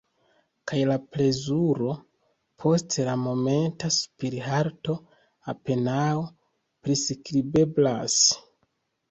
Kaj la plezuro, post la momenta spirhalto, apenaŭ priskribeblas!